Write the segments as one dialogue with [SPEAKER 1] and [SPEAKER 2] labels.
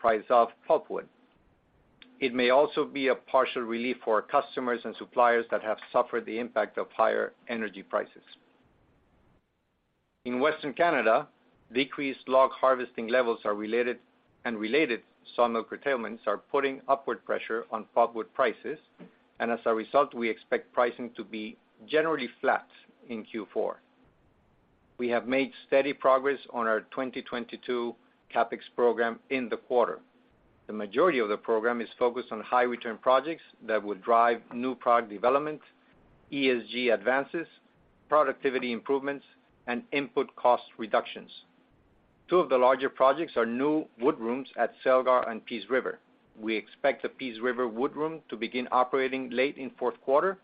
[SPEAKER 1] The price of pulpwood. It may also be a partial relief for our customers and suppliers that have suffered the impact of higher energy prices. In Western Canada, decreased log harvesting levels are related, and related sawmill curtailments are putting upward pressure on pulpwood prices, and as a result, we expect pricing to be generally flat in Q4. We have made steady progress on our 2022 CapEx program in the quarter. The majority of the program is focused on high return projects that will drive new product development, ESG advances, productivity improvements, and input cost reductions. 2 of the larger projects are new wood rooms at Celgar and Peace River. We expect the Peace River wood room to begin operating late in fourth quarter,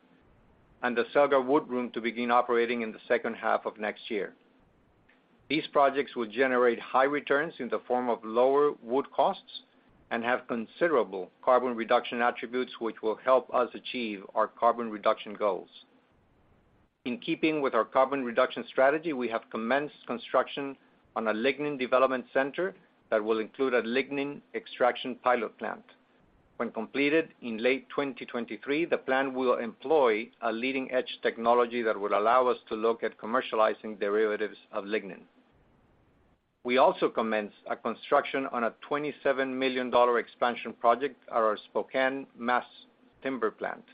[SPEAKER 1] and the Celgar wood room to begin operating in the second half of next year. These projects will generate high returns in the form of lower wood costs and have considerable carbon reduction attributes which will help us achieve our carbon reduction goals. In keeping with our carbon reduction strategy, we have commenced construction on a lignin development center that will include a lignin extraction pilot plant. When completed in late 2023, the plant will employ a leading-edge technology that will allow us to look at commercializing derivatives of lignin. We also commenced construction on a $27 million expansion project at our Spokane mass timber plant.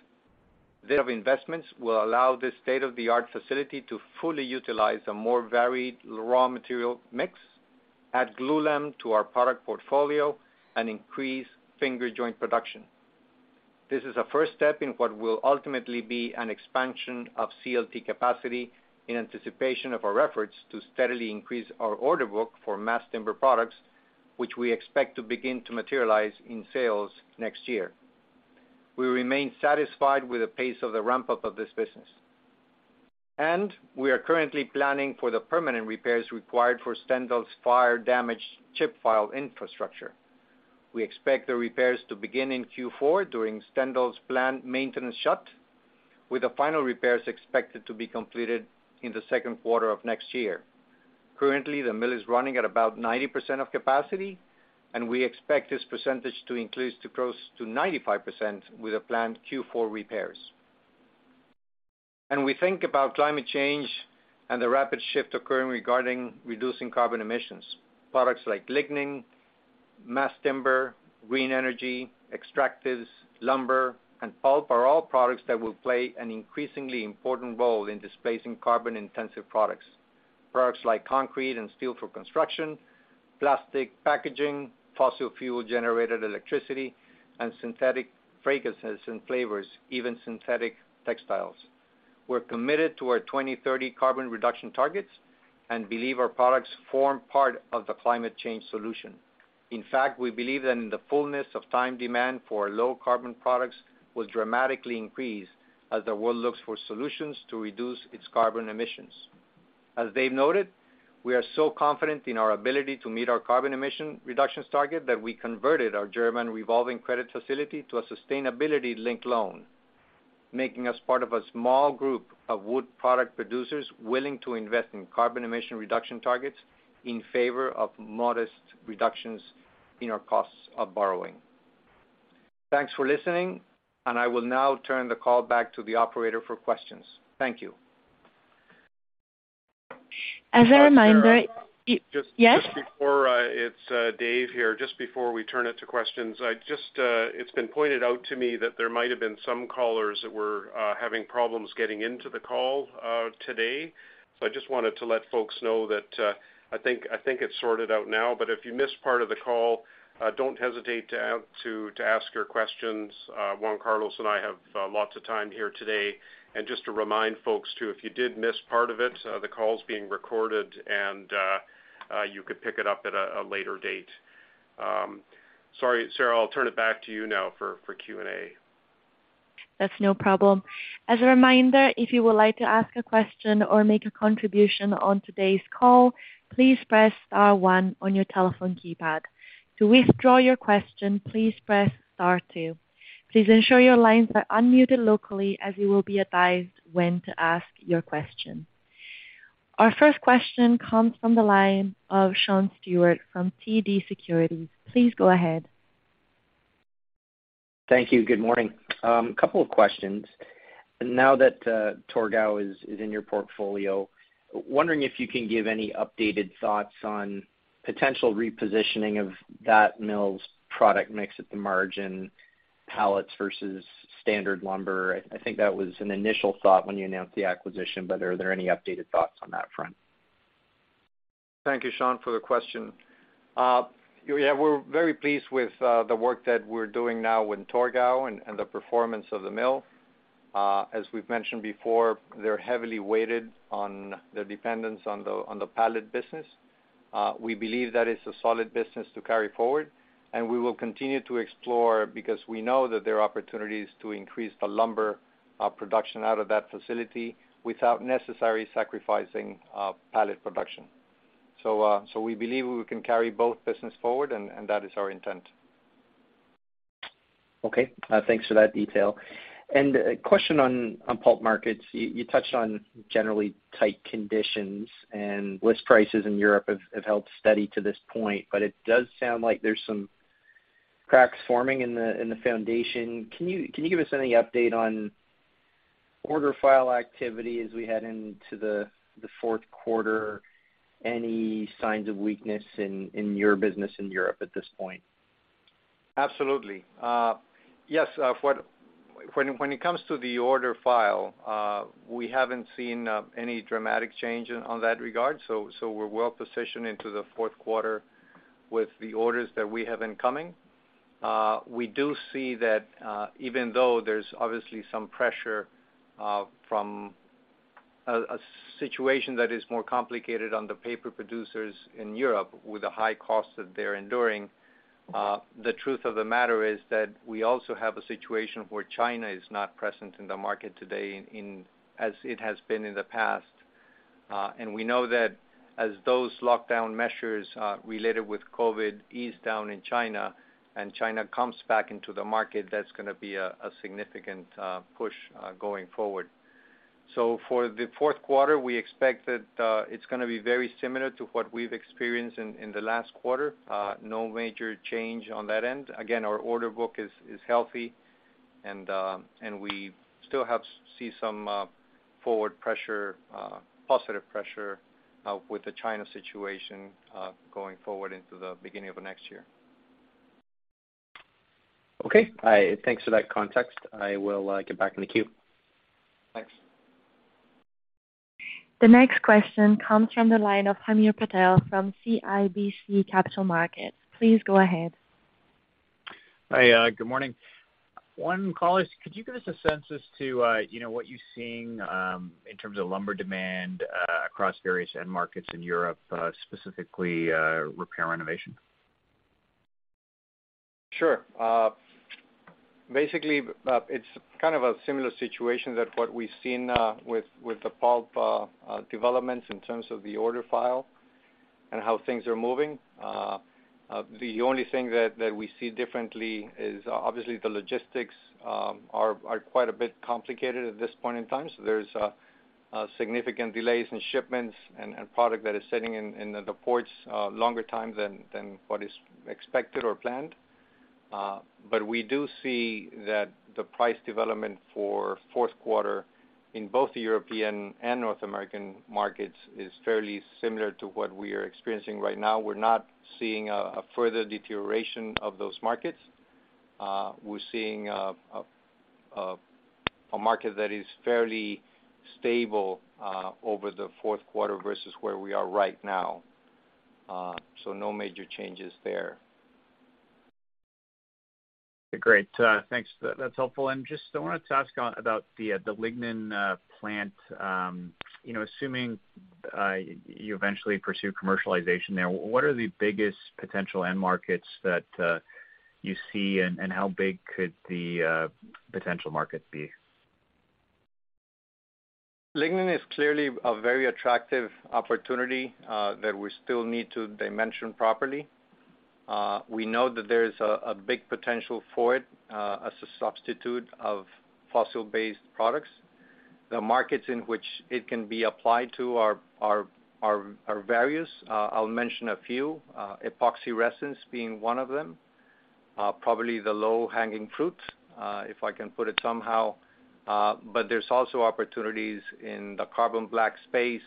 [SPEAKER 1] These investments will allow this state-of-the-art facility to fully utilize a more varied raw material mix, add glulam to our product portfolio, and increase finger joint production. This is a first step in what will ultimately be an expansion of CLT capacity in anticipation of our efforts to steadily increase our order book for mass timber products, which we expect to begin to materialize in sales next year. We remain satisfied with the pace of the ramp-up of this business. We are currently planning for the permanent repairs required for Stendal's fire-damaged chip pile infrastructure. We expect the repairs to begin in Q4 during Stendal's planned maintenance shut, with the final repairs expected to be completed in the second quarter of next year. Currently, the mill is running at about 90% of capacity, and we expect this percentage to increase to close to 95% with the planned Q4 repairs. When we think about climate change and the rapid shift occurring regarding reducing carbon emissions, products like lignin, mass timber, green energy, extractives, lumber, and pulp are all products that will play an increasingly important role in displacing carbon-intensive products. Products like concrete and steel for construction, plastic packaging, fossil fuel-generated electricity, and synthetic fragrances and flavors, even synthetic textiles. We're committed to our 2030 carbon reduction targets and believe our products form part of the climate change solution. In fact, we believe that in the fullness of time demand for low carbon products will dramatically increase as the world looks for solutions to reduce its carbon emissions. As Dave noted, we are so confident in our ability to meet our carbon emission reductions target that we converted our German revolving credit facility to a sustainability-linked loan, making us part of a small group of wood product producers willing to invest in carbon emission reduction targets in favor of modest reductions in our costs of borrowing. Thanks for listening, and I will now turn the call back to the operator for questions. Thank you.
[SPEAKER 2] As a reminder.
[SPEAKER 3] Hi, Sarah.
[SPEAKER 2] Yes?
[SPEAKER 3] Just before, it's Dave here. Just before we turn it to questions, it's been pointed out to me that there might have been some callers that were having problems getting into the call today. I just wanted to let folks know that I think it's sorted out now. If you missed part of the call, don't hesitate to ask your questions. Juan Carlos and I have lots of time here today. Just to remind folks, too, if you did miss part of it, the call's being recorded and you could pick it up at a later date. Sorry, Sarah, I'll turn it back to you now for Q&A.
[SPEAKER 2] That's no problem. As a reminder, if you would like to ask a question or make a contribution on today's call, please press star one on your telephone keypad. To withdraw your question, please press star two. Please ensure your lines are unmuted locally, as you will be advised when to ask your question. Our first question comes from the line of Sean Steuart from TD Securities. Please go ahead.
[SPEAKER 4] Thank you. Good morning. A couple of questions. Now that Torgau is in your portfolio, wondering if you can give any updated thoughts on potential repositioning of that mill's product mix at the margin, pallets versus standard lumber. I think that was an initial thought when you announced the acquisition, but are there any updated thoughts on that front?
[SPEAKER 1] Thank you, Sean, for the question. Yeah, we're very pleased with the work that we're doing now with Torgau and the performance of the mill. As we've mentioned before, they're heavily weighted on their dependence on the pallet business. We believe that it's a solid business to carry forward, and we will continue to explore because we know that there are opportunities to increase the lumber production out of that facility without necessarily sacrificing pallet production. We believe we can carry both business forward, and that is our intent.
[SPEAKER 4] Okay. Thanks for that detail. A question on pulp markets. You touched on generally tight conditions, and list prices in Europe have held steady to this point, but it does sound like there's some cracks forming in the foundation. Can you give us any update on order file activity as we head into the fourth quarter? Any signs of weakness in your business in Europe at this point?
[SPEAKER 1] Absolutely. Yes, when it comes to the order file, we haven't seen any dramatic change in that regard, so we're well positioned into the fourth quarter with the orders that we have incoming. We do see that, even though there's obviously some pressure from a situation that is more complicated on the paper producers in Europe with the high costs that they're enduring, the truth of the matter is that we also have a situation where China is not present in the market today as it has been in the past. We know that as those lockdown measures related with COVID ease down in China and China comes back into the market, that's gonna be a significant push going forward. For the fourth quarter, we expect that it's gonna be very similar to what we've experienced in the last quarter. No major change on that end. Again, our order book is healthy and we still see some forward pressure, positive pressure, with the China situation going forward into the beginning of next year.
[SPEAKER 4] Okay. Thanks for that context. I will get back in the queue.
[SPEAKER 1] Thanks.
[SPEAKER 2] The next question comes from the line of Hamir Patel from CIBC Capital Markets. Please go ahead.
[SPEAKER 5] Hi, good morning. Juan Carlos, could you give us a sense of, you know, what you're seeing in terms of lumber demand across various end markets in Europe, specifically repair renovation?
[SPEAKER 1] Sure. Basically, it's kind of a similar situation that what we've seen with the pulp developments in terms of the order file and how things are moving. The only thing that we see differently is, obviously the logistics are quite a bit complicated at this point in time. There's significant delays in shipments and product that is sitting in the ports longer time than what is expected or planned. We do see that the price development for fourth quarter in both the European and North American markets is fairly similar to what we are experiencing right now. We're not seeing a market that is fairly stable over the fourth quarter versus where we are right now. No major changes there.
[SPEAKER 5] Great. Thanks. That's helpful. Just I wanted to ask about the lignin plant. You know, assuming you eventually pursue commercialization there, what are the biggest potential end markets that you see, and how big could the potential market be?
[SPEAKER 1] Lignin is clearly a very attractive opportunity that we still need to dimension properly. We know that there is a big potential for it as a substitute of fossil-based products. The markets in which it can be applied to are various. I'll mention a few, epoxy resins being one of them. Probably the low-hanging fruit, if I can put it somehow. There's also opportunities in the carbon black space.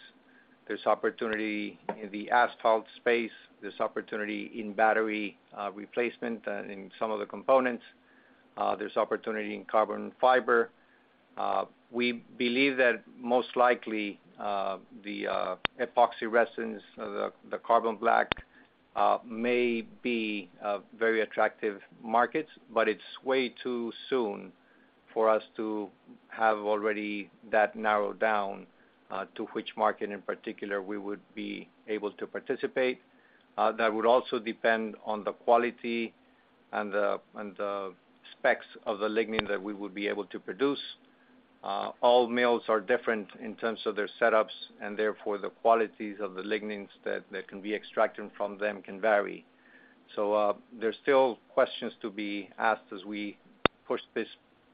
[SPEAKER 1] There's opportunity in the asphalt space. There's opportunity in the battery replacement in some of the components. There's opportunity in carbon fiber. We believe that most likely, the epoxy resins, the carbon black, may be very attractive markets, but it's way too soon for us to have already that narrowed down to which market in particular we would be able to participate. That would also depend on the quality and the specs of the lignin that we would be able to produce. All mills are different in terms of their setups, and therefore, the qualities of the lignins that can be extracted from them can vary. There's still questions to be asked as we push this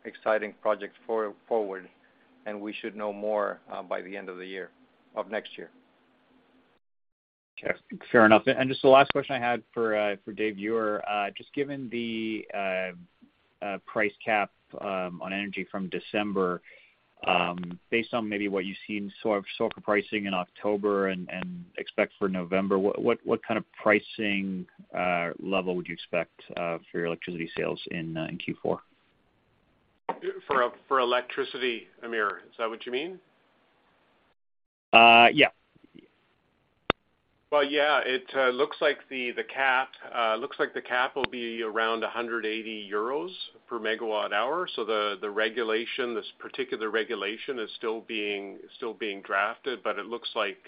[SPEAKER 1] exciting project forward, and we should know more by the end of the year of next year.
[SPEAKER 5] Okay. Fair enough. Just the last question I had for David Ure. Just given the price cap on energy from December, based on maybe what you've seen sulfur pricing in October and expect for November, what kind of pricing level would you expect for your electricity sales in Q4?
[SPEAKER 3] For electricity, Amir, is that what you mean?
[SPEAKER 5] Yeah.
[SPEAKER 3] Well, yeah. It looks like the cap will be around 180 euros per megawatt hour. So the regulation, this particular regulation is still being drafted, but it looks like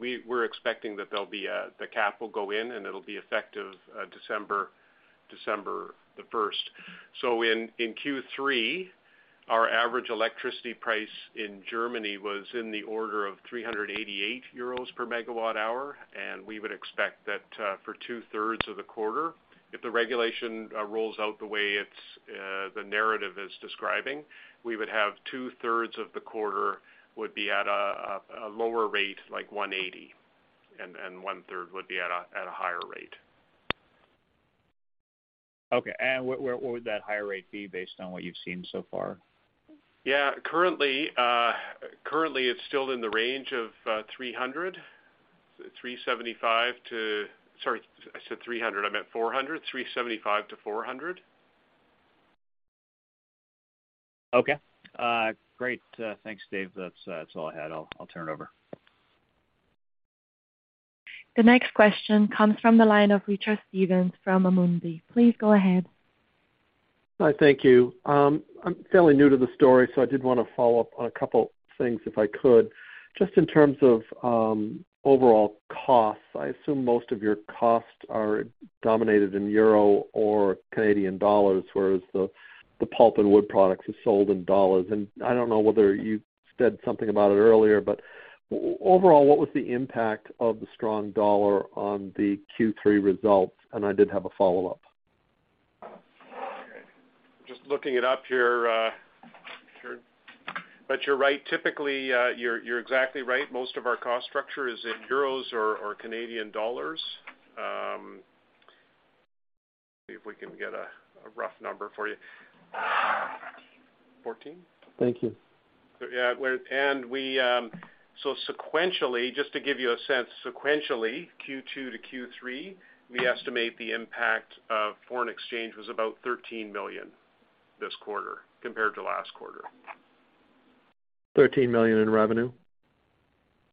[SPEAKER 3] we're expecting that there'll be the cap will go in, and it'll be effective December the first. So in Q3 our average electricity price in Germany was in the order of 388 euros per megawatt hour, and we would expect that for 2/3 of the quarter, if the regulation rolls out the way the narrative is describing, we would have 2/3 of the quarter would be at a lower rate, like 180, and 1/3 would be at a higher rate.
[SPEAKER 5] Okay. Where would that higher rate be based on what you've seen so far?
[SPEAKER 3] Yeah. Currently, it's still in the range of 375-400. Sorry, I said 300, I meant 400. 375-400.
[SPEAKER 5] Okay. Great. Thanks, Dave. That's all I had. I'll turn it over.
[SPEAKER 2] The next question comes from the line of Richard Short from Amundi. Please go ahead.
[SPEAKER 6] Hi. Thank you. I'm fairly new to the story, so I did wanna follow up on a couple things if I could. Just in terms of overall costs, I assume most of your costs are denominated in euros or Canadian dollars, whereas the pulp and wood products are sold in dollars. I don't know whether you said something about it earlier, but overall, what was the impact of the strong dollar on the Q3 results? I did have a follow-up.
[SPEAKER 3] Just looking it up here, sure. You're right. Typically, you're exactly right. Most of our cost structure is in euros or Canadian dollars. Let me see if we can get a rough number for you. 14.
[SPEAKER 6] Thank you.
[SPEAKER 3] Sequentially, just to give you a sense, sequentially, Q2 to Q3, we estimate the impact of foreign exchange was about $13 million this quarter compared to last quarter.
[SPEAKER 6] $13 million in revenue?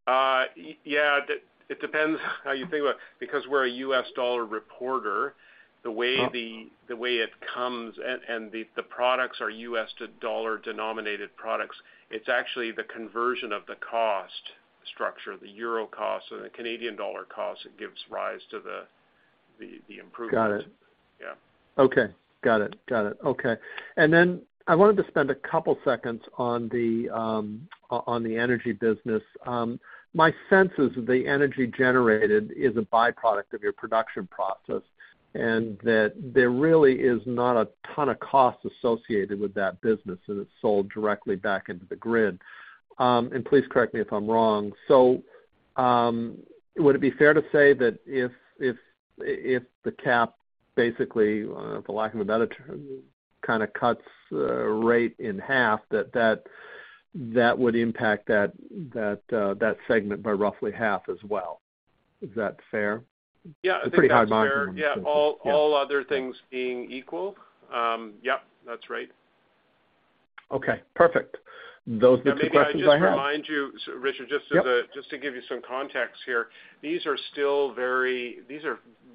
[SPEAKER 3] Yeah. It depends how you think about it. Because we're a U.S. dollar reporter, the way the
[SPEAKER 6] Uh-
[SPEAKER 3] The way it comes and the products are U.S. dollar-denominated products, it's actually the conversion of the cost structure, the euro cost or the Canadian dollar cost that gives rise to the improvements.
[SPEAKER 6] Got it.
[SPEAKER 3] Yeah.
[SPEAKER 6] Okay. Got it. Okay. I wanted to spend a couple seconds on the energy business. My sense is the energy generated is a byproduct of your production process, and that there really is not a ton of cost associated with that business, and it's sold directly back into the grid. Please correct me if I'm wrong. Would it be fair to say that if the cap, basically, for lack of a better term, kinda cuts rate in half, that would impact that segment by roughly half as well? Is that fair?
[SPEAKER 3] Yeah, I think that's fair.
[SPEAKER 6] A pretty hard margin.
[SPEAKER 3] Yeah. All other things being equal, yep, that's right.
[SPEAKER 6] Okay, perfect. Those are the questions I have.
[SPEAKER 3] Now, maybe I just remind you, so Richard.
[SPEAKER 6] Yep.
[SPEAKER 3] Just to give you some context here, these are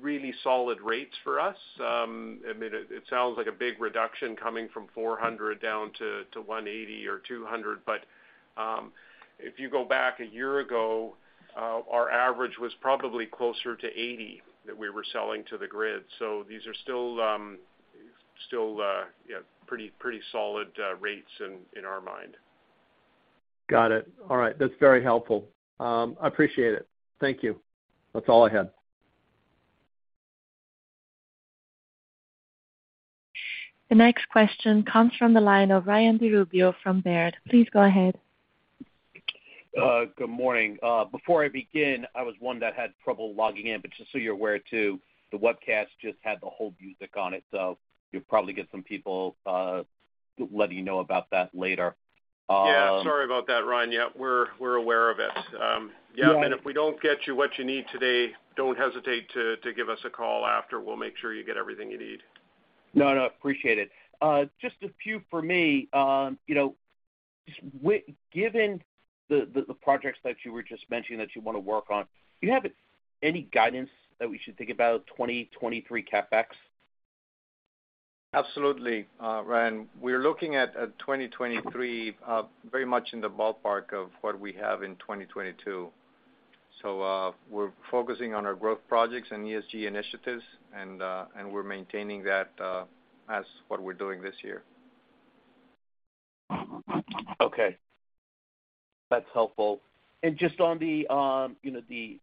[SPEAKER 3] really solid rates for us. I mean, it sounds like a big reduction coming from 400 down to 180 or 200, but if you go back a year ago, our average was probably closer to 80 that we were selling to the grid. These are still pretty solid rates in our mind.
[SPEAKER 6] Got it. All right. That's very helpful. I appreciate it. Thank you. That's all I had.
[SPEAKER 2] The next question comes from the line of Ryan DeRubio from Baird. Please go ahead.
[SPEAKER 7] Good morning. Before I begin, I was one that had trouble logging in, but just so you're aware, too, the webcast just had the hold music on it, so you'll probably get some people letting you know about that later.
[SPEAKER 3] Yeah, sorry about that, Ryan. Yeah, we're aware of it.
[SPEAKER 7] Yeah.
[SPEAKER 3] If we don't get you what you need today, don't hesitate to give us a call after. We'll make sure you get everything you need.
[SPEAKER 7] No, no, appreciate it. Just a few for me. You know, given the projects that you were just mentioning that you wanna work on, do you have any guidance that we should think about 2023 CapEx?
[SPEAKER 1] Absolutely. Ryan, we're looking at 2023 very much in the ballpark of what we have in 2022. We're focusing on our growth projects and ESG initiatives, and we're maintaining that as what we're doing this year.
[SPEAKER 7] Okay. That's helpful. Just on the, you know, the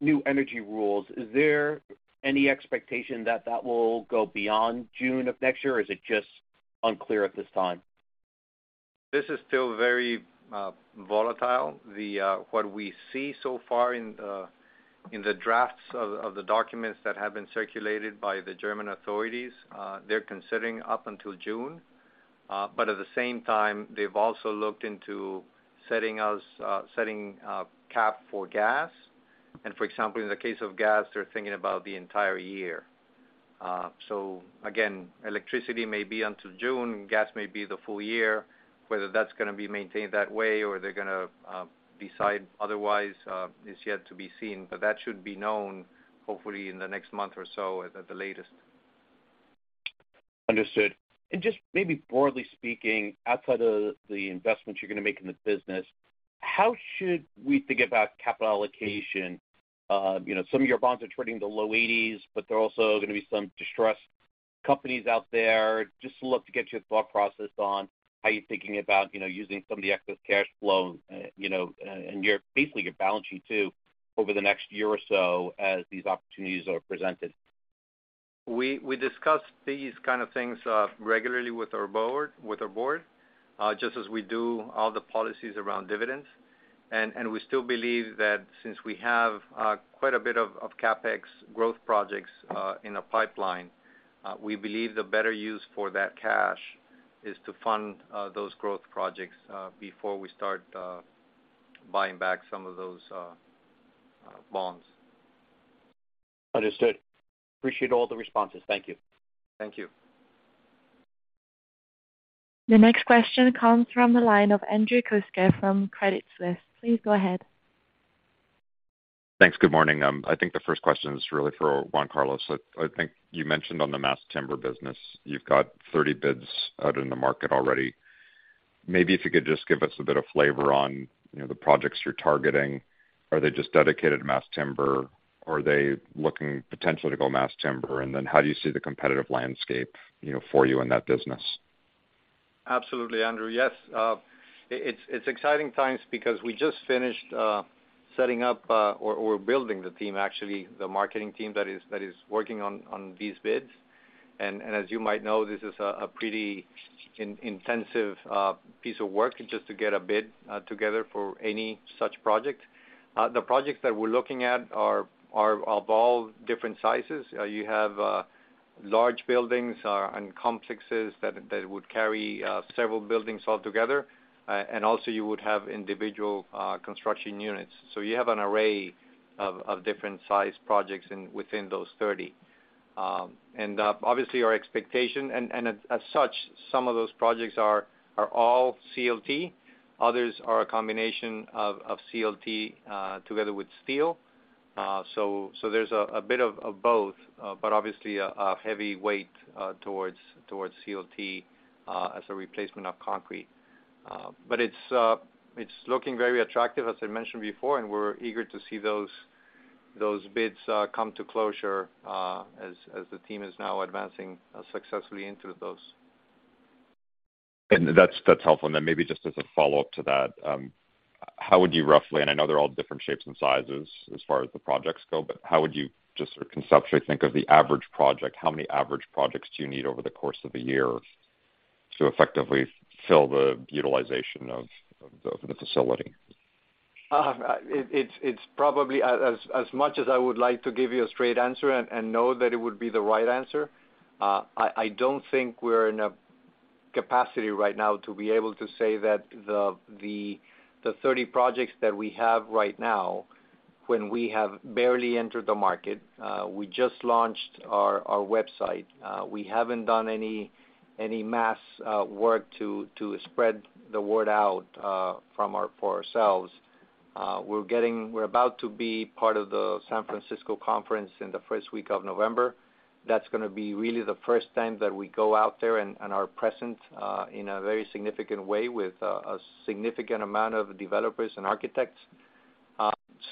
[SPEAKER 7] new energy rules, is there any expectation that that will go beyond June of next year, or is it just unclear at this time?
[SPEAKER 1] This is still very volatile. What we see so far in the drafts of the documents that have been circulated by the German authorities, they're considering up until June. At the same time, they've also looked into setting a cap for gas. For example, in the case of gas, they're thinking about the entire year. Again, electricity may be until June, gas may be the full year. Whether that's gonna be maintained that way or they're gonna decide otherwise is yet to be seen. That should be known hopefully in the next month or so at the latest.
[SPEAKER 7] Understood. Just maybe broadly speaking, outside of the investments you're gonna make in the business. How should we think about capital allocation? You know, some of your bonds are trading in the low 80s, but there are also gonna be some distressed companies out there. Just looking to get your thought process on how you're thinking about, you know, using some of the excess cash flow, you know, and basically your balance sheet too, over the next year or so as these opportunities are presented.
[SPEAKER 1] We discuss these kind of things regularly with our board just as we do all the policies around dividends. We still believe that since we have quite a bit of CapEx growth projects in the pipeline, we believe the better use for that cash is to fund those growth projects before we start buying back some of those bonds.
[SPEAKER 7] Understood. Appreciate all the responses. Thank you.
[SPEAKER 1] Thank you.
[SPEAKER 2] The next question comes from the line of Andrew Kusker from Credit Suisse. Please go ahead.
[SPEAKER 8] Thanks. Good morning. I think the first question is really for Juan Carlos. I think you mentioned on the mass timber business you've got 30 bids out in the market already. Maybe if you could just give us a bit of flavor on, you know, the projects you're targeting. Are they just dedicated mass timber, or are they looking potentially to go mass timber? And then how do you see the competitive landscape, you know, for you in that business?
[SPEAKER 1] Absolutely, Andrew. Yes. It's exciting times because we just finished setting up or building the team, actually, the marketing team that is working on these bids. As you might know, this is a pretty intensive piece of work just to get a bid together for any such project. The projects that we're looking at are of all different sizes. You have large buildings and complexes that would carry several buildings all together. Also you would have individual construction units. You have an array of different size projects within those 30. Obviously our expectation and as such, some of those projects are all CLT. Others are a combination of CLT together with steel. There's a bit of both, but obviously a heavy weight towards CLT as a replacement of concrete. It's looking very attractive, as I mentioned before, and we're eager to see those bids come to closure, as the team is now advancing successfully into those.
[SPEAKER 8] That's helpful. Maybe just as a follow-up to that, how would you roughly, and I know they're all different shapes and sizes as far as the projects go, but how would you just sort of conceptually think of the average project? How many average projects do you need over the course of a year to effectively fill the utilization of the facility?
[SPEAKER 1] It's probably as much as I would like to give you a straight answer and know that it would be the right answer. I don't think we're in a capacity right now to be able to say that the 30 projects that we have right now when we have barely entered the market. We just launched our website. We haven't done any mass work to spread the word out for ourselves. We're about to be part of the San Francisco conference in the first week of November. That's gonna be really the first time that we go out there and are present in a very significant way with a significant amount of developers and architects.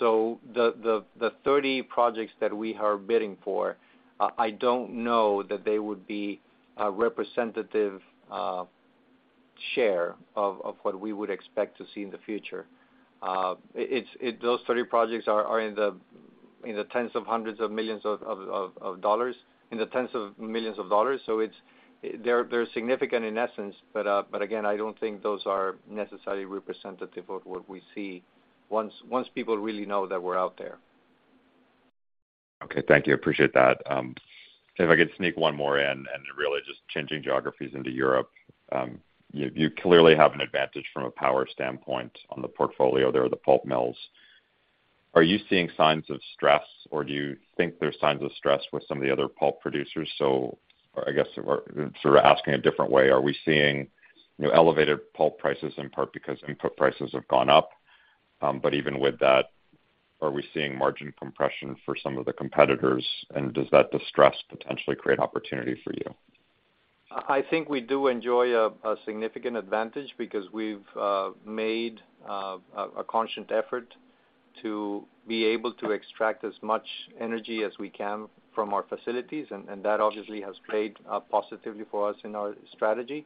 [SPEAKER 1] The 30 projects that we are bidding for, I don't know that they would be a representative share of what we would expect to see in the future. Those 30 projects are in the $10s of millions. They're significant in essence, but again, I don't think those are necessarily representative of what we see once people really know that we're out there.
[SPEAKER 8] Okay. Thank you. Appreciate that. If I could sneak one more in and really just changing geographies into Europe. You clearly have an advantage from a power standpoint on the portfolio. There are the pulp mills. Are you seeing signs of stress, or do you think there's signs of stress with some of the other pulp producers? I guess we're sort of asking a different way. Are we seeing, you know, elevated pulp prices in part because input prices have gone up? But even with that, are we seeing margin compression for some of the competitors? Does that distress potentially create opportunity for you?
[SPEAKER 1] I think we do enjoy a significant advantage because we've made a conscious effort to be able to extract as much energy as we can from our facilities, and that obviously has played positively for us in our strategy.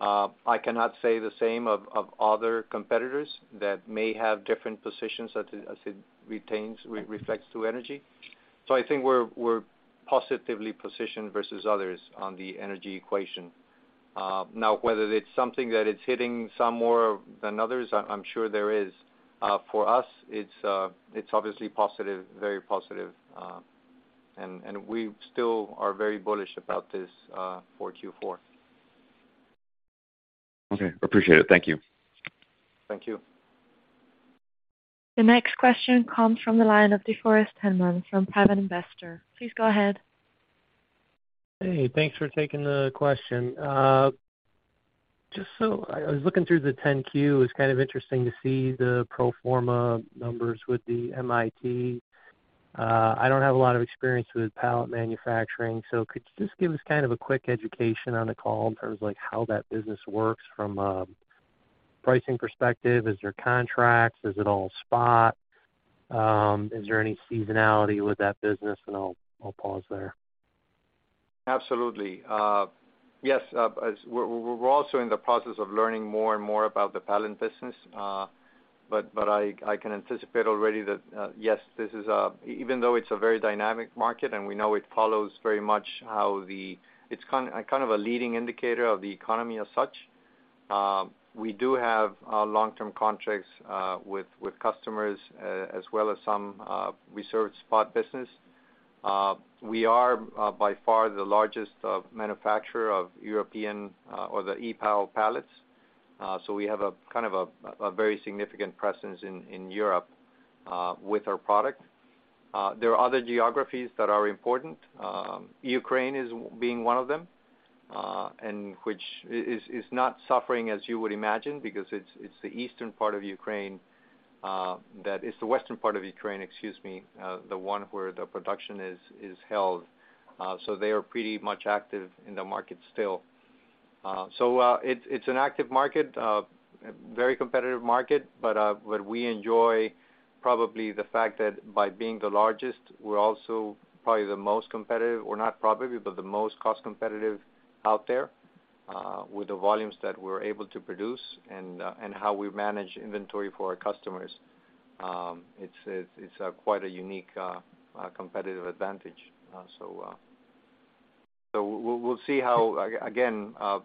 [SPEAKER 1] I cannot say the same of other competitors that may have different positions as it relates to energy. I think we're positively positioned versus others on the energy equation. Now whether it's something that is hitting some more than others, I'm sure there is. For us, it's obviously positive, very positive. We still are very bullish about this for Q4.
[SPEAKER 8] Okay. Appreciate it. Thank you.
[SPEAKER 1] Thank you.
[SPEAKER 2] The next question comes from the line of DeForest Hinman from Private Investor. Please go ahead.
[SPEAKER 9] Hey, thanks for taking the question. Just so I was looking through the 10-Q. It's kind of interesting to see the pro forma numbers with the HIT. I don't have a lot of experience with pallet manufacturing, so could you just give us kind of a quick education on the call in terms of like how that business works from a pricing perspective? Is there contracts? Is it all spot? Is there any seasonality with that business? I'll pause there.
[SPEAKER 1] Absolutely. Yes, as we're also in the process of learning more and more about the pallet business. But I can anticipate already that yes, this is even though it's a very dynamic market, and we know it follows very much how it's kind of a leading indicator of the economy as such. We do have long-term contracts with customers as well as some reserved spot business. We are by far the largest manufacturer of European or the EPAL pallets. We have a kind of very significant presence in Europe with our product. There are other geographies that are important. Ukraine is one of them, and which is not suffering as you would imagine, because it's the western part of Ukraine, excuse me, the one where the production is held. They are pretty much active in the market still. It's an active market, very competitive market. What we enjoy probably the fact that by being the largest, we're also probably the most competitive, or not probably, but the most cost competitive out there, with the volumes that we're able to produce and how we manage inventory for our customers. It's quite a unique competitive advantage. We'll see how the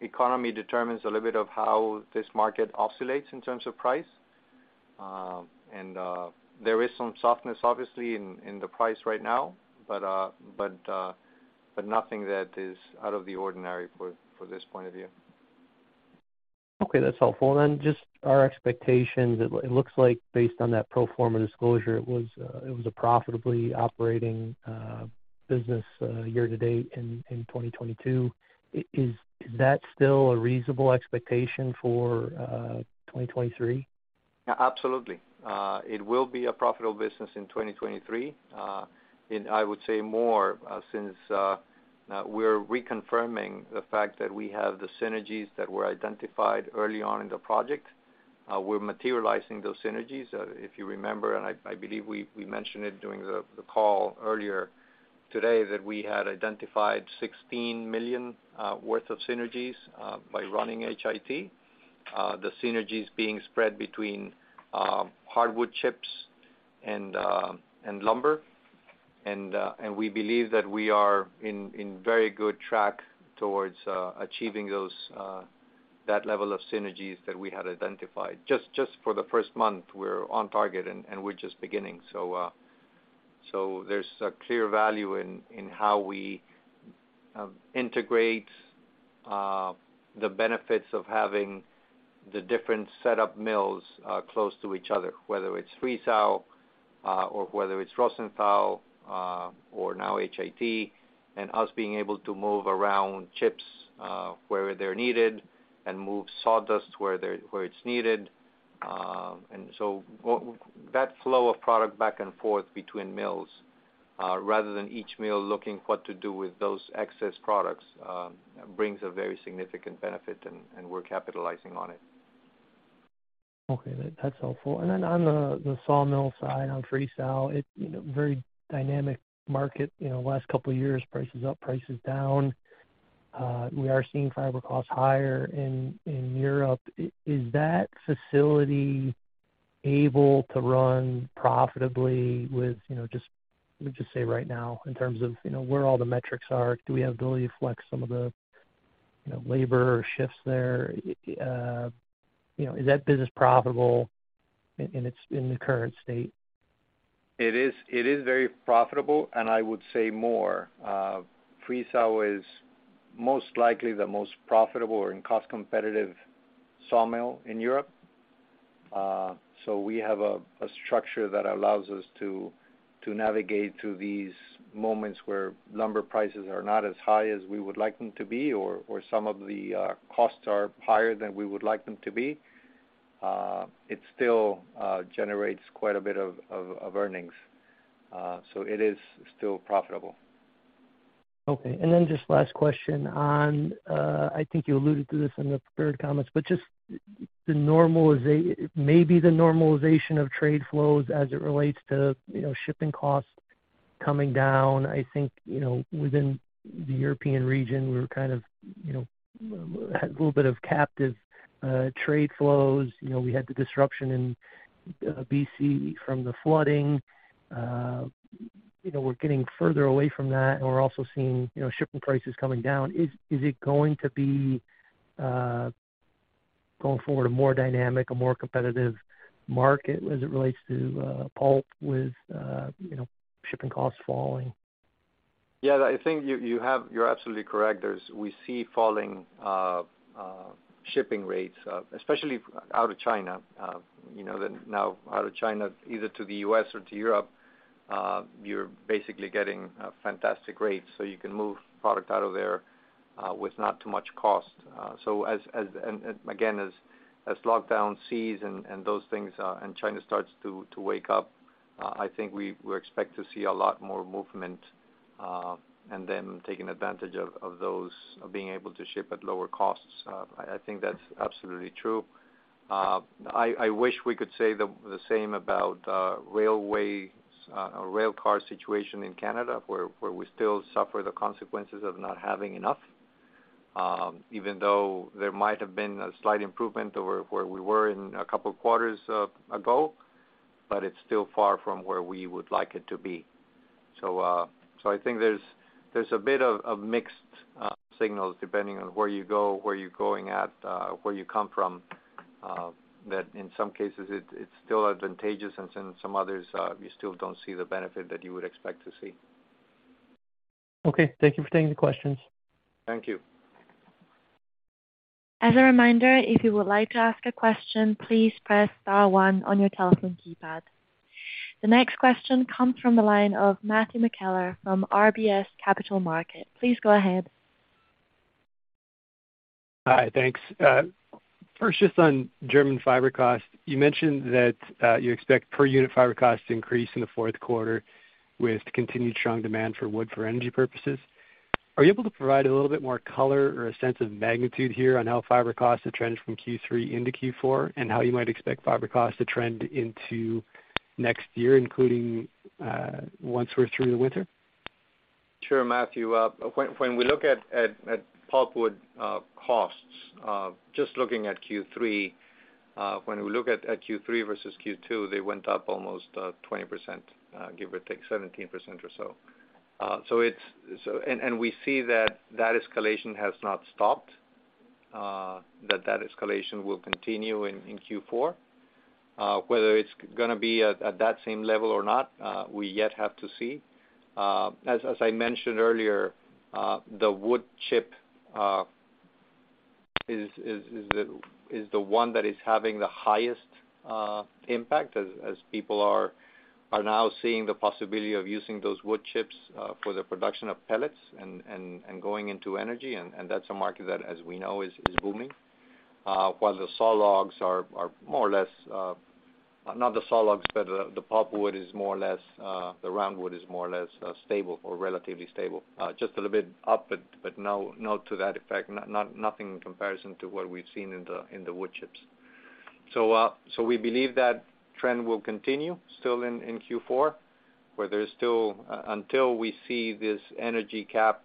[SPEAKER 1] economy determines a little bit of how this market oscillates in terms of price. There is some softness obviously in the price right now, but nothing that is out of the ordinary for this point of view.
[SPEAKER 9] Okay, that's helpful. Then just our expectations. It looks like based on that pro forma disclosure, it was a profitably operating business year to date in 2022. Is that still a reasonable expectation for 2023?
[SPEAKER 1] Absolutely. It will be a profitable business in 2023. I would say more since we're reconfirming the fact that we have the synergies that were identified early on in the project. We're materializing those synergies. If you remember, I believe we mentioned it during the call earlier today that we had identified $16 million worth of synergies by running HIT. The synergies being spread between hardwood chips and lumber. We believe that we are on very good track towards achieving that level of synergies that we had identified. For the first month, we're on target, and we're just beginning. There's a clear value in how we integrate the benefits of having the different set of mills close to each other, whether it's Friesau or whether it's Rosenthal or now HIT. Us being able to move around chips where they're needed and move sawdust where it's needed. That flow of product back and forth between mills rather than each mill looking what to do with those excess products brings a very significant benefit, and we're capitalizing on it.
[SPEAKER 9] Okay. That's helpful. Then on the sawmill side, on Friesau, it's a very dynamic market. You know, last couple of years, prices up, prices down. We are seeing fiber costs higher in Europe. Is that facility able to run profitably with, you know, just, let me just say right now in terms of, you know, where all the metrics are, do we have the ability to flex some of the, you know, labor or shifts there? You know, is that business profitable in its current state?
[SPEAKER 1] It is very profitable, and I would say more. Friesau is most likely the most profitable or in cost competitive sawmill in Europe. So we have a structure that allows us to navigate through these moments where lumber prices are not as high as we would like them to be, or some of the costs are higher than we would like them to be. It still generates quite a bit of earnings. So it is still profitable.
[SPEAKER 9] Okay. Just last question on, I think you alluded to this in the prepared comments, but just the normalization, maybe the normalization of trade flows as it relates to, you know, shipping costs coming down. I think, you know, within the European region, we're kind of, you know, had a little bit of captive trade flows. You know, we had the disruption in BC from the flooding. You know, we're getting further away from that, and we're also seeing, you know, shipping prices coming down. Is it going to be going forward a more dynamic, a more competitive market as it relates to pulp with, you know, shipping costs falling?
[SPEAKER 1] Yeah. I think you're absolutely correct. We see falling shipping rates, especially out of China. You know that now out of China, either to the U.S. or to Europe, you're basically getting fantastic rates, so you can move product out of there with not too much cost. As lockdowns cease and those things, and China starts to wake up, I think we expect to see a lot more movement, and then taking advantage of those being able to ship at lower costs. I think that's absolutely true. I wish we could say the same about railways or rail car situation in Canada, where we still suffer the consequences of not having enough, even though there might have been a slight improvement over where we were in a couple of quarters ago, but it's still far from where we would like it to be. I think there's a bit of mixed signals depending on where you go, where you're going at, where you come from, that in some cases it's still advantageous and some others, you still don't see the benefit that you would expect to see.
[SPEAKER 9] Okay. Thank you for taking the questions.
[SPEAKER 1] Thank you.
[SPEAKER 2] As a reminder, if you would like to ask a question, please press star one on your telephone keypad. The next question comes from the line of Matt McKellar from RBC Capital Markets. Please go ahead.
[SPEAKER 10] Hi. Thanks. First, just on German fiber cost. You mentioned that you expect per unit fiber cost to increase in the fourth quarter with continued strong demand for wood for energy purposes. Are you able to provide a little bit more color or a sense of magnitude here on how fiber costs have trended from Q3 into Q4, and how you might expect fiber costs to trend into next year, including once we're through the winter?
[SPEAKER 1] Sure, Matthew. When we look at pulpwood costs, just looking at Q3, when we look at Q3 versus Q2, they went up almost 20%, give or take 17% or so. We see that escalation has not stopped, that escalation will continue in Q4. Whether it's gonna be at that same level or not, we yet have to see. As I mentioned earlier, the wood chip is the one that is having the highest impact as people are now seeing the possibility of using those wood chips for the production of pellets and going into energy, and that's a market that, as we know, is booming. While the saw logs are more or less not the saw logs, but the pulpwood is more or less the round wood is more or less stable or relatively stable. Just a little bit up, but not to that effect, nothing in comparison to what we've seen in the wood chips. We believe that trend will continue still in Q4, where there's still until we see this energy cap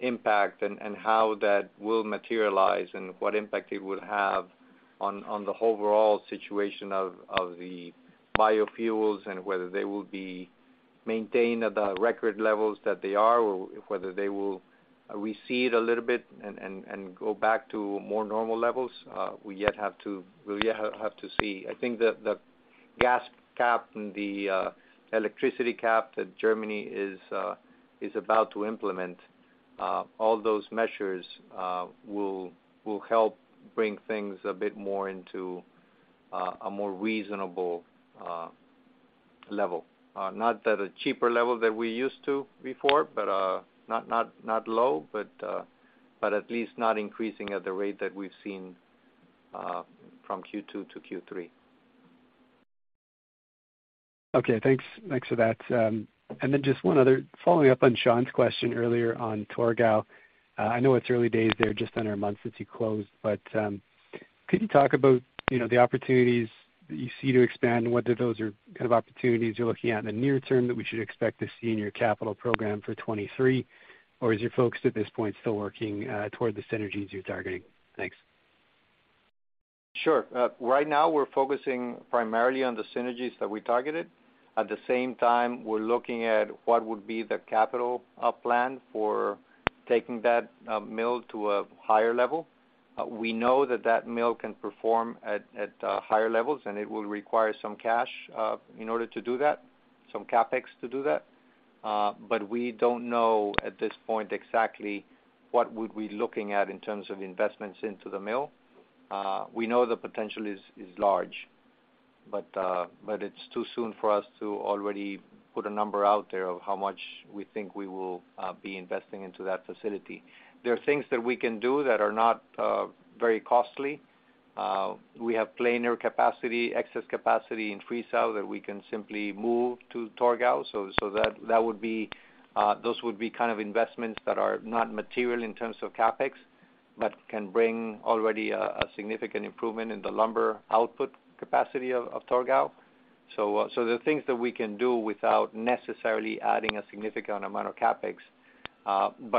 [SPEAKER 1] impact and how that will materialize and what impact it would have on the overall situation of the biofuels and whether they will be maintained at the record levels that they are, or whether they will recede a little bit and go back to more normal levels. We'll yet have to see. I think the gas cap and the electricity cap that Germany is about to implement, all those measures, will help bring things a bit more into a more reasonable level. Not at a cheaper level that we used to before, but not low, but at least not increasing at the rate that we've seen from Q2 to Q3.
[SPEAKER 10] Okay. Thanks for that. Just one other. Following up on Sean's question earlier on Torgau, I know it's early days there, just under a month since you closed, but could you talk about, you know, the opportunities that you see to expand and whether those are kind of opportunities you're looking at in the near term that we should expect to see in your capital program for 2023? Is your focus at this point still working toward the synergies you're targeting? Thanks.
[SPEAKER 1] Sure. Right now we're focusing primarily on the synergies that we targeted. At the same time, we're looking at what would be the capital plan for taking that mill to a higher level. We know that that mill can perform at higher levels, and it will require some cash in order to do that, some CapEx to do that. We don't know at this point exactly what we would be looking at in terms of investments into the mill. We know the potential is large, but it's too soon for us to already put a number out there of how much we think we will be investing into that facility. There are things that we can do that are not very costly. We have planer capacity, excess capacity in Friesau that we can simply move to Torgau. That would be those kind of investments that are not material in terms of CapEx, but can bring already a significant improvement in the lumber output capacity of Torgau. There are things that we can do without necessarily adding a significant amount of CapEx.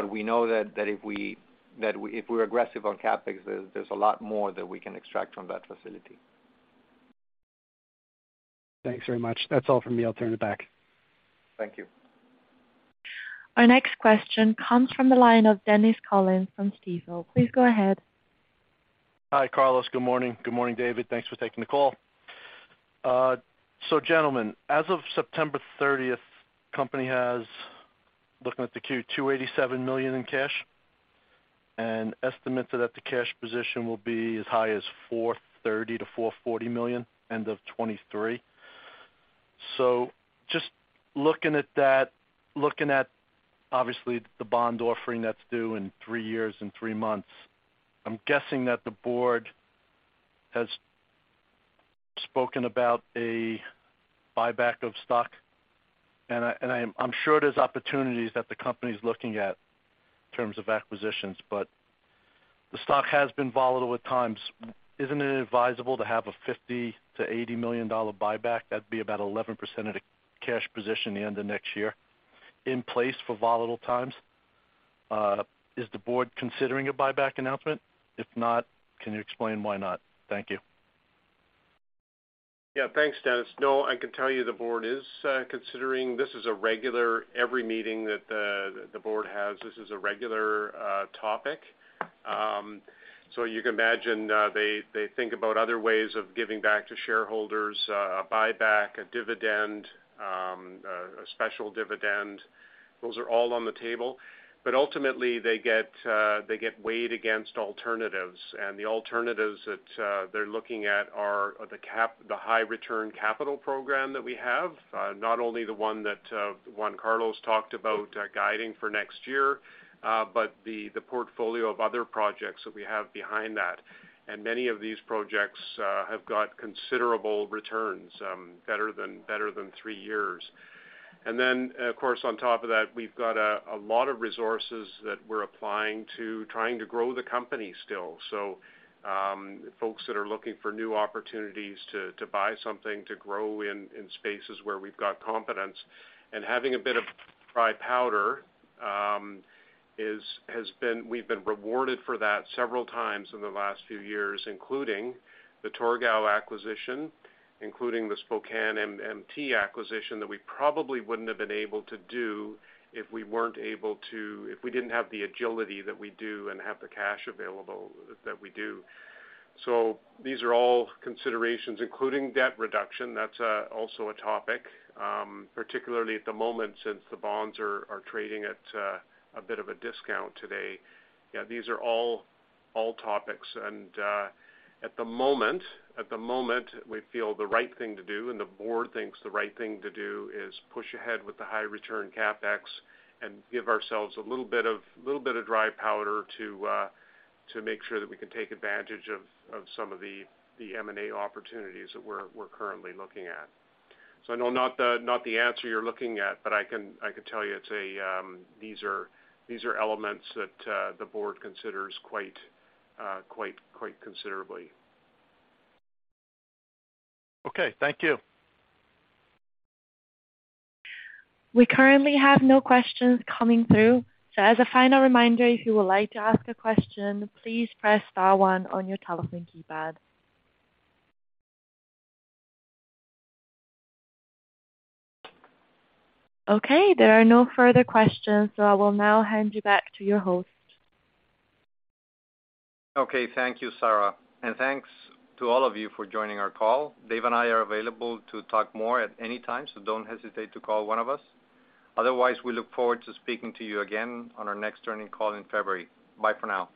[SPEAKER 1] We know that if we're aggressive on CapEx, there's a lot more that we can extract from that facility.
[SPEAKER 10] Thanks very much. That's all from me. I'll turn it back.
[SPEAKER 1] Thank you.
[SPEAKER 2] Our next question comes from the line of Dennis Collins from Stifel. Please go ahead.
[SPEAKER 11] Hi, Carlos. Good morning. Good morning, David. Thanks for taking the call. Gentlemen, as of September 30, the company has, looking at the Q3, $287 million in cash, and estimates that the cash position will be as high as $430 million-$440 million end of 2023. Just looking at that, looking at obviously the bond offering that's due in 3 years and 3 months, I'm guessing that the board has spoken about a buyback of stock. I'm sure there's opportunities that the company is looking at in terms of acquisitions, but the stock has been volatile at times. Isn't it advisable to have a $50 million-$80 million buyback? That'd be about 11% of the cash position at the end of next year in place for volatile times. Is the board considering a buyback announcement? If not, can you explain why not? Thank you.
[SPEAKER 3] Yeah, thanks, Dennis. No, I can tell you the board is considering. This is a regular every meeting that the board has. This is a regular topic. So you can imagine, they think about other ways of giving back to shareholders, a buyback, a dividend, a special dividend. Those are all on the table, but ultimately they get weighed against alternatives. The alternatives that they're looking at are the high return capital program that we have. Not only the one that Juan Carlos talked about, guiding for next year, but the portfolio of other projects that we have behind that. Many of these projects have got considerable returns, better than 3 years. Of course, on top of that, we've got a lot of resources that we're applying to trying to grow the company still. Folks that are looking for new opportunities to buy something, to grow in spaces where we've got competence and having a bit of dry powder has been—we've been rewarded for that several times in the last few years, including the Torgau acquisition, including the Spokane MMT acquisition that we probably wouldn't have been able to do if we didn't have the agility that we do and have the cash available that we do. These are all considerations, including debt reduction. That's also a topic, particularly at the moment since the bonds are trading at a bit of a discount today. These are all topics. At the moment, we feel the right thing to do, and the board thinks the right thing to do is push ahead with the high return CapEx and give ourselves a little bit of dry powder to make sure that we can take advantage of some of the M&A opportunities that we're currently looking at. I know not the answer you're looking at, but I can tell you it's a these are elements that the board considers quite considerably.
[SPEAKER 11] Okay. Thank you.
[SPEAKER 2] We currently have no questions coming through. As a final reminder, if you would like to ask a question, please press star one on your telephone keypad. Okay, there are no further questions, so I will now hand you back to your host.
[SPEAKER 1] Okay, thank you, Sarah. Thanks to all of you for joining our call. Dave and I are available to talk more at any time, so don't hesitate to call one of us. Otherwise, we look forward to speaking to you again on our next earnings call in February. Bye for now.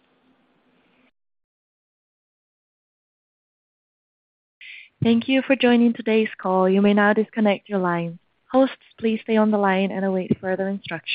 [SPEAKER 2] Thank you for joining today's call. You may now disconnect your line. Hosts, please stay on the line and await further instruction.